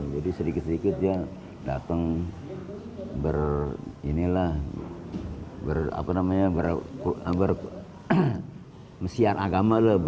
jadi sedikit sedikit dia datang ber ini lah ber apa namanya ber mesiar agama lah